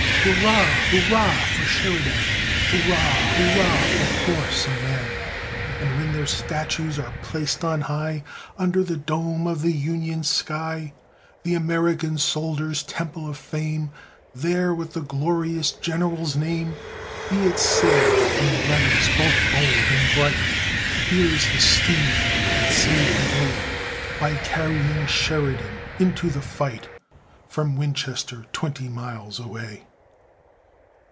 Hurrah! hurrah for Sheridan! Hurrah! hurrah for horse and man! And when their statues are placed on high Under the dome of the Union sky, The American soldier's Temple of Fame, There, with the glorious general's name, Be it said, in letters both bold and bright: "Here is the steed that saved the day By carrying Sheridan into the fight, From Winchester twenty miles away!"